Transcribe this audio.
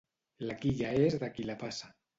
La quilla és de qui la passa.